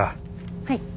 はい。